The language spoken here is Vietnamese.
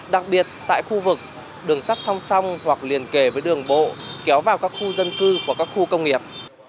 đặc biệt tại khu vực đường sắt song song hoặc liền kề với đường bộ kéo vào các khu dân cư và các khu công nghiệp